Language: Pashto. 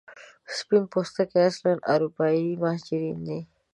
سپین پوستکي اصلا اروپایي مهاجرین دي.